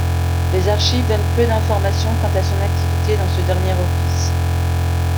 Les archives donnent peu d'informations quant à son activité dans ce dernier office.